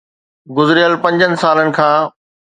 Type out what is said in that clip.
گذريل پنجن سالن کان